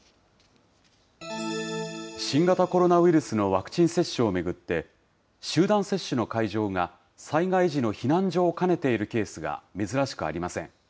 新型コロナウイルスのワクチン接種を巡って、集団接種の会場が災害時の避難所を兼ねているケースが珍しくありません。